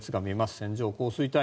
線状降水帯。